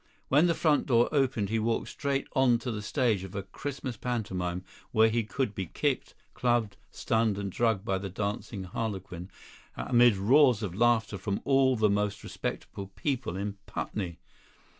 When the front door opened he walked straight on to the stage of a Christmas pantomime, where he could be kicked, clubbed, stunned and drugged by the dancing harlequin, amid roars of laughter from all the most respectable people in Putney.